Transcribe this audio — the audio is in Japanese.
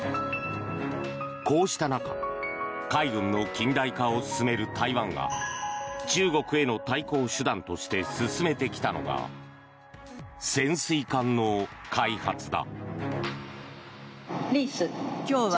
こうした中海軍の近代化を進める台湾が中国への対抗手段として進めてきたのが潜水艦の開発だ。